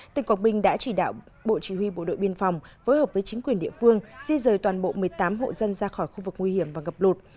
tỉnh quảng bình đã chỉ đạo bộ chỉ huy bộ đội biên phòng phối hợp với chính quyền địa phương di rời toàn bộ một mươi tám hộ dân ra khỏi khu vực nguy hiểm và ngập lụt